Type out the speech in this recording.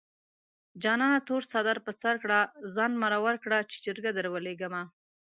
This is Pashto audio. جانانه تور څادر په سر کړه ځان مرور کړه چې جرګه دروليږمه